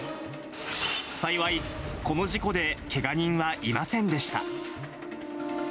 幸い、この事故でけが人はいませんでした。